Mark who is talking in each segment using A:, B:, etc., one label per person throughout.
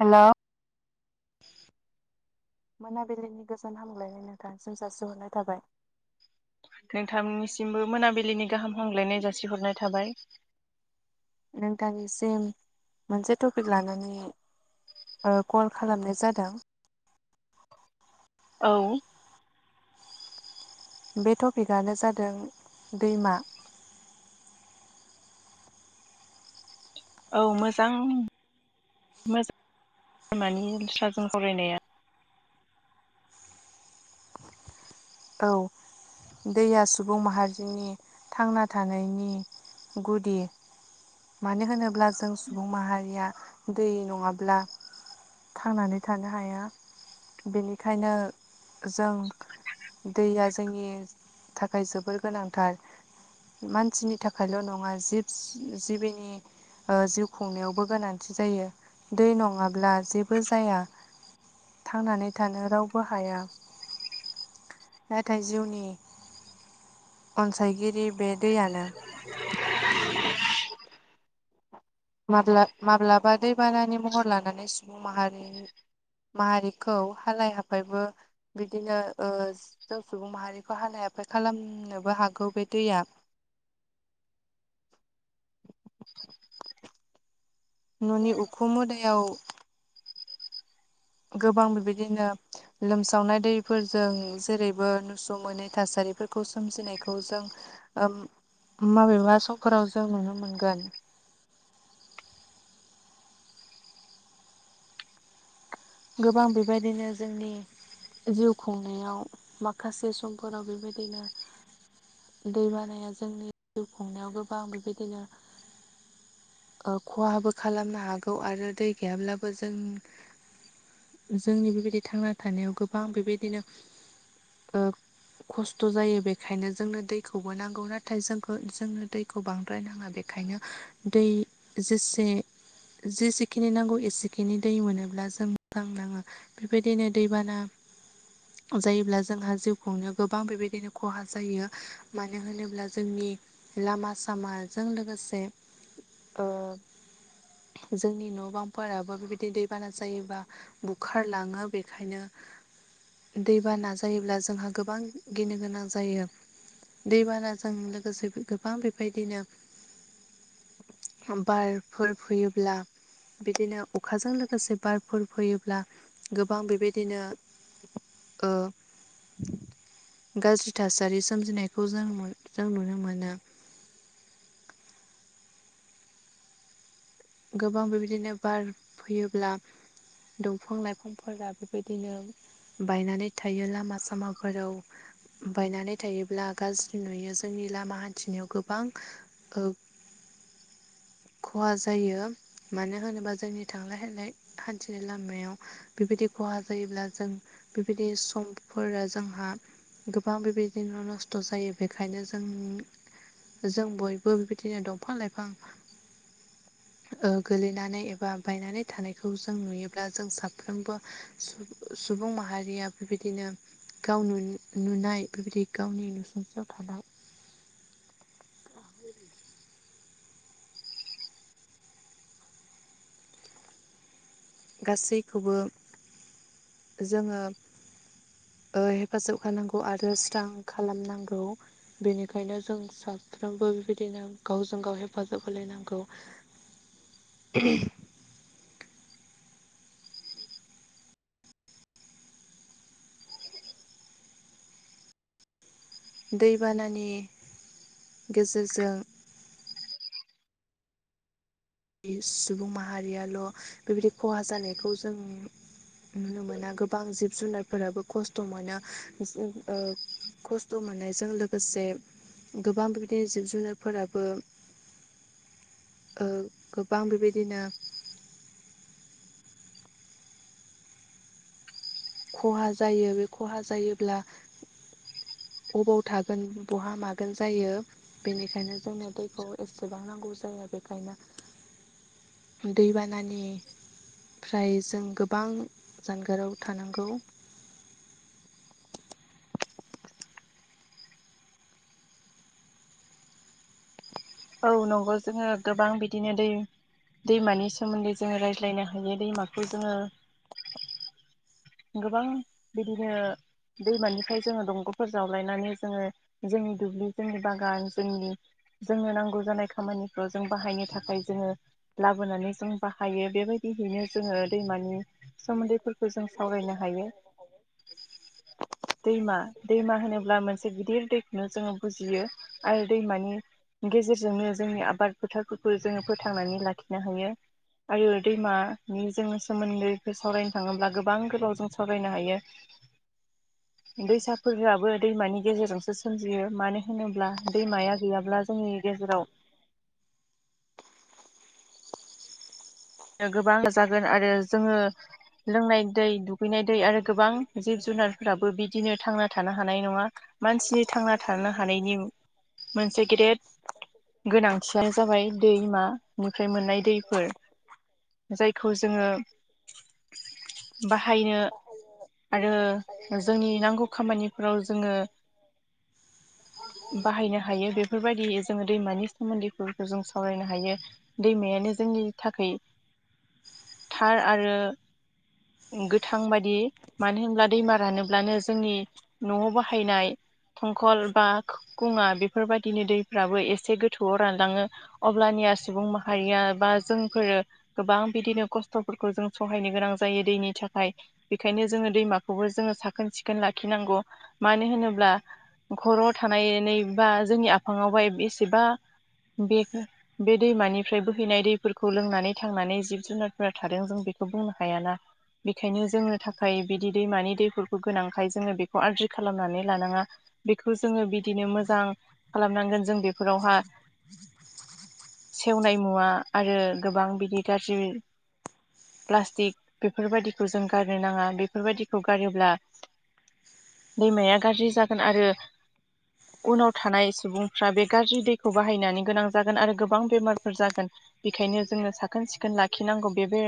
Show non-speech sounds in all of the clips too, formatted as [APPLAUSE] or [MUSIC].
A: हेल'
B: [INAUDIBLE]
A: मोनाबिलिनि गोजोन हामलायनाय न थासै जासिहरनाय थाबाय
B: सिमबो मोनाबिलिनि गाहाम हामग्लायनाय जासिहरनाय थाबाय
A: नोंथांनिसिम मोनसे टपिक लानानै ओ कल खालामनाय जादों
B: औ
A: बे टपिकआनो जादों दैमा
B: औ मोजां मोजां लामानि स्राजों फरायनाया
A: औ दैया सुबुं माहारिनि थांना थानायनि गुदि मानो होनोब्ला जों सुबुं माहारिया दै नङाब्ला थांनानै थानो हाया बेनिखायनो जों दैया जोंनि थाखाय जोबोर गोनांथार मानसिनि थाखायल' नङा जिब जिबिनि जिउ खुंनायावबो गोनांथि जायो दै नङाब्ला जेबो जाया थांनानै थानो रावबो हाया नाथाय जिउनि अनसायगिरि बे दैयानो माब्ला माब्लाबा दैबानानि महर लानानै सुबुं माहारि माहारिखौ हालाय हाबायबो बिदिनो ओ जों सुबुं माहारिखौ हालाय हाब फाय खालामनोबो हागौ बे दैया [INAUDIBLE] न'नि उखु मोदायाव गोबां बेबायदिनो लोमसावनाय दैफोरजों जेरैबो नुस' मोनै थासारि बेफोरखौ सोमजिनायाव जों माबेबा समफोराव जों नुनो मोनगोन गोबां बेबायदिनो जोंनि जिउ खुंनायाव माखासे समफोराव बेबायदिनो दै बानाया जोंनि जिउ खुंनायाव गोबां बेबायदिनो खहाबो खालामनो हागौ आरो दै गैयाब्लाबो जों जोंनि बेबायदि थांना थानायाव गोबां बेबायदिनो ओ खस्थ' जायो बेखायनो जोंनो दैखौबो नांगौ नाथाय जोंखौ जोंनो दैखौ बां बायनाङा बेखायनो दै जेसे जेसेखिनि नांगौ एसेखिनि दै मोनोब्ला जों बांनाङा बेबायदिनो दैबाना जायोब्ला जोंहा जिउखौनो गोबां बेबायदिनो खहा जायो मानो होनोब्ला जोंनि लामा सामाजों लोगोसे जोंनि न' बांफोराबो बेबायदि दैबाना जायोबा। बुखारलाङो बेखायनो दैबाना जायोब्ला जोंहा गोबां गिनो गोनां जायो। दैबानाजों लोगोसे गोबां बेबायदिनो बारफोर फैयोब्ला बिदिनो अखाजों लोगोसे बारफोर फैयोब्ला गोबां बेबायदिनो गाज्रि थासारि सोमजिनायखौ जों जों नुनो मोनो। गोबां बेबायदिनो बार फैयोब्ला दंफां लाइफांफोरा बेबायदिनो बायनानै थायो लामा सामाफोराव बायनानै थायोब्ला गाज्रि नुयो जोंनि लामा हान्थिनायाव गोबां। [INAUDIBLE] खहा जायो मानो होनोबा जोंनि थांलाय फैलाय हान्थिनाय लामायाव बे खहा जायो जों बेबाय सम जोंहा गोबां बेबायदिनो न' न' खस्थ' जायो बेखायनो जों जों बयबो बेबायदिनो दंफां लाइफां। गोलैनानै एबा बायनानै थानायखौ जों नुयोब्ला जों साफ्रोमबो सुबुं माहारिया बेबायदिनो गाव नु-नुनाय बेबायदि गावनि नुसुंस्रियाव थानाय गासैखौबो जोङो हेफाजाब होनांगौ आरो स्रां खालामनांगौ बेनिखायनो जों साब साफ्रोमबो बेबायदिनो गावजों गाव हेफाजाब होलायनांगौ। [UNINTELLIGIBLE] दैबानानि गेजेरजों सुबुं माहारियाल' बेबायदि खहा जानायखौ जों नुनो मोना गोबां जिब जुनारफोराबो खस्थ' मोनो खस्थ' मोननायजों लोगोसे। गोबां बिबायदिनो जिब जुनारफोराबो गोबां बेबायदिनो। खहा जायो बे खहा जायोब्ला बबाव थागोन बहा मागोन जायो बेनिखायनो जोंनो दैखौ एसेबां नांगौ जायो। जोङो बेखायनो दैबानानि फ्राय जों गोबां जानगाराव थानांगौ।
B: औ नंगौ जोङो गोबां बिदिनो दै दैमानि सोमोन्दै जोङो रायज्लायनो हायो दैमाखौ जोङो
A: [INAUDIBLE]
B: गोबां बिदिनो दैमानिफ्राय जोङो दंग'फोर जावलायनानै जोङो जोंनि दुब्लि जोंनि बागान जोंनि जोंनो नांगौ जानाय खामानिखौ जों बाहायनो थाखाय जोङो लाबोनानै जों बाहायो बेबायदि बिहैनो जोङो दैमानि सोमोन्दैफोरखौ जों सावरायनो हायो।
A: [INAUDIBLE]
B: दैमा दैमा होनोब्ला मोनसे गिदिर दैखौनो जोङो बुजियो आरो दैमानि गेजेरजोंनो जोंनि आबाद फोथारफोरखौ जोङो फोथांनानै लाखिनो हायो। आरो दैमानि जों सोमोन्दैखौ सावरायनो थाङोब्ला गोबां गोबां गोलाव जों सावालरायनो हायो।
A: [INAUDIBLE]
B: दैसाफोरआबो दैमानि गेजेरजोंसो सोमजियो मानो होनोब्ला दैमाया गैयाब्ला जोंनि गेजेराव
A: [INAUDIBLE]
B: गोबां जागोन आरो जोङो लोंनाय दै दुगैनाय दै आरो गोबां जिब जुन जुनारफोराबो बिदिनो थांना थानो हानाय नङा मानसिनि थांना थानो हानायनि मोनसे गेदेद गोनांथियानो जाबाय दैमानिफ्राय मोननाय दैफोर जायखौ जोङो बाहायनो आरो जोंनि नांगौ खामानिफोराव जोङो
A: [INAUDIBLE]
B: बाहायनो हायो बेफोरबायदि जोङो दैमानि सोमोन्दैफोरखौ जों सावरायनो हायो दैमायानो जोंनि थाखाय थार आरो गोथां बादि मानो होनब्ला दैमा रानोब्लानो जोंनि न'आव बाहायनाय थंखल बा बेफोरबायदिनो दैफ्राबो एसे गोथौआव रानलाङो अब्लानिया सुबुं माहारिया बा जोंफोरो गोबां बिदिनो खस्थ'फोरखौ जों सहायनो गोनां जायो दैनि थाखाय बेखायनो जोङो दैमाखौबो जोङो साखोन सिखोन लाखिनांगौ मानो होनोब्ला खर' थानायनै बा जोंनि आफाङआवहाय बेसेबा बे- बे दैमानिफ्राय बोहैनाय दैफोरखौ लोंनानै थांनानै जिब जुनारफोरा थादों जों बेखौ बुंनो हायाना बेखायनो जोंनो थाखाय बिदि दैमानि दैफोरखौ गोनांखाय जोङो बेखौ आरज्रि खालामनानै लानाङा बेखौ जोङो बिदिनो मोजां खालामनांगोन जों बेफोरावहा सेवनाय मुवा आरो गोबां बिदि गाज्रि प्लास्टिक बेफोरबायदिखौ जों गारनो नाङा बेफोरबायदिखौ गारोब्ला दैमाया गाज्रि जागोन आरो उनाव थानाय सुबुंफ्रा बे गाज्रि दैखौ बाहायनानै गोनां जागोन आरो गोबां बेमारफोर जागोन बेखायनो जोंनो साखोन सिखोन लाखिनांगौ बेबो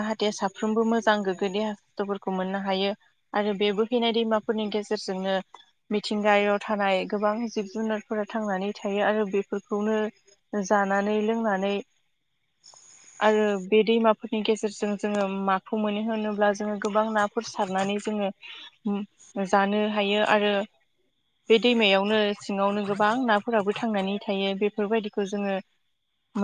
B: जाहाथे साफ्रोमबो मोजां गोग्गो देहा सस्थ'फोरखौ [UNINTELLIGIBLE] मोननो हायो आरो बे बोहैैनाय दैमाफोरनि गेजेरजोंनो मिथिंगायाव थानाय गोबां जिब जुनारफोरा थांनानै थायो आरो बेफोरखौ खौनो जानानै लोंनानै
A: [INAUDIBLE]
B: आरो बे दैमाफोरनि गेजेरजों जोङो माखौ मोनो होनोब्ला जोङो गोबां नाफोर सारनानै जों जानो हायो आरो बे दैमायावनो सिङावनो गोबां नाफोराबो थां थांनानै थायो बेफोरबायदिखौ जोङो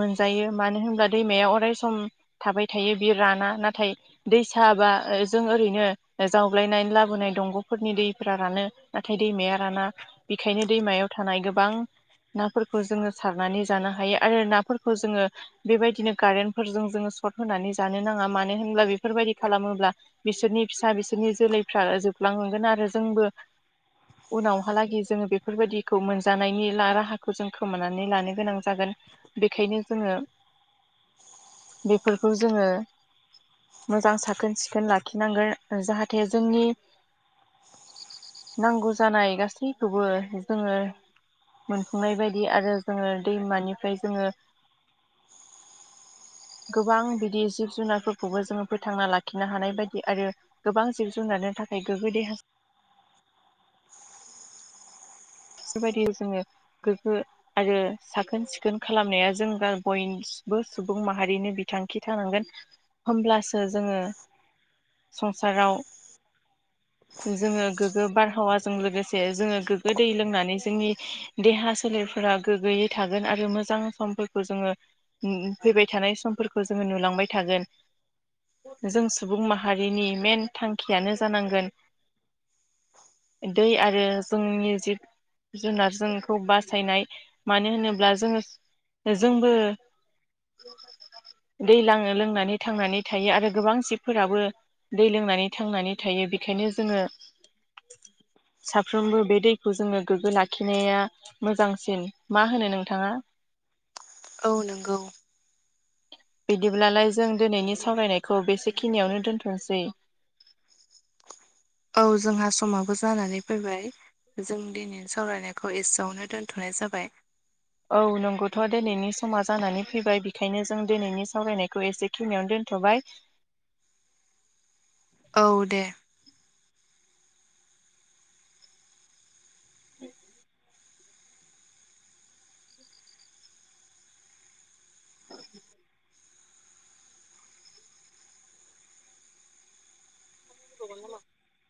B: मोनजायो मानो होनब्ला दैमाया अराय सम थाबाय थायो बि राना नाथाय दै साबा जों ओरैनो जावग्लायनानै लाबोनाय दंग'फोरनि दैफोरा रानो नाथाय दैमाया राना बेखायनो दैमायाव थानाय गोबां नाफोरखौ जोङो सारनानै जानो हायो आरो नाफोरखौ जोङो बेबायदि दिनो कारेनफोरजों जोङो सर्ट होनानै जानो नाङा मानो होनब्ला बेफोरबायदि खालामोब्ला बिसोरनि फिसा बिसोरनि जोलैफ्रा जोबलांगोन आरो जोंबो उनावहालागै जोङो बेफोरबायदिखौ मोनजानायनि राहाखौ जों खोमानानै लानो गोनां जागोन बेखायनो जोङो बेफोरखौ जोङो मोजां साखोन सिखोन लाखिनांगोन जाहाथे जोंनि नांगौ जानाय गासैखौबो जोङो मोनफुंनाय बायदि आरो जोङो दैमानिफ्राय जोङो गोबां बिदि जिब जुनारफोरखौबो जोङो फोथांना लाखिनो हानाय बायदि आरो गोबां जिब जुनार मोननो थाखाय गोग्गो देहा बिबायदि जोङो गोग्गो आरो साखोन सिखोन खालामनाया जों बय सुबुं माहारिनि बिथांखि थानांगोन होमब्लासो जोङो संसाराव जोङो गोग्गो बारहावाजों लोगोसे जोङो गोग्गो दै लोंनानै जोंनि देहा सोलेरफोरा गोग्गैयै थागोन आरो मोजां समफोरखौ जोङो फैबाय थानाय समफोरखौ जोङो नुलांबाय थागोन जों सुबुं माहारिनि मेन थांखियानो जानांगोन दै आरो जोंनि जिब जुनार जोंखौ बासायनाय मानो होनोब्ला जोङो जोंबो दै लोंनानै थांनानै थायो आरो गोबां जिबफोराबो दै लोंनानै थांनानै थायो बेखायनो जोङो साफ्रोमबो बे दै खौ जोंनो गोग्गो लाखिनाया मोजांसिन मा होनो नोंथाङा
A: औ नोंगौ
B: बिदिब्लालाय जों दिनैनि सावरायनायखौ बेसेखिनियावनो दोनथ'सै
A: [INAUDIBLE] औ जोंहा समाबो जानानै फैबाय जों दिनै सावरायनायखौ एसेयावनो दोनथ'नाय जाबाय
B: औ नोंगौथ' दिनैनि समा जानानै फैबाय बेखायनो जों दिनैनि सावरायनायखौ एसे खिनियाव दोन थ'बाय
A: [UNINTELLIGIBLE] औ दे
B: उम औ [INAUDIBLE] [UNINTELLIGIBLE]